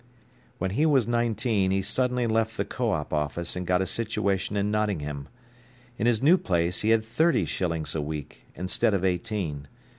When he was nineteen he suddenly left the Co op. office and got a situation in Nottingham. In his new place he had thirty shillings a week instead of eighteen.